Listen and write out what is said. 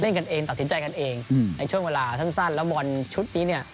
กันเองตัดสินใจกันเองในช่วงเวลาสั้นแล้วบอลชุดนี้เนี่ย